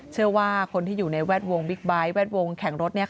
เชื่อว่าคนที่อยู่ในแวดวงบิ๊กไบท์แวดวงแข่งรถ